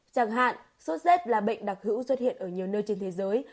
chẳng hạn sốt z là bệnh đặc hữu xuất hiện ở nhiều nơi trên thế giới